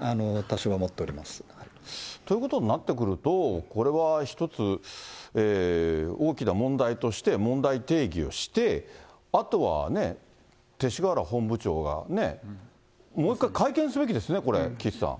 そうですね、多少は持っております。ということになってくると、これは一つ、大きな問題として問題定義をして、あとはね、勅使河原本部長がね、もう一回会見すべきですね、岸さん。